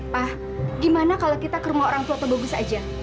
wah gimana kalau kita ke rumah orang tua tuh bagus aja